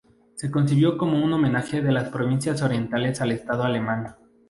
Se concibió como un homenaje de las provincias orientales al Estado alemán.